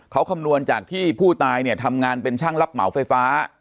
เขาคำนวณจากที่ผู้ตายเนี่ยทำงานเป็นช่างรับเหมาไฟฟ้า